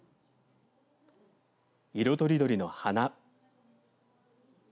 色とりどりの花。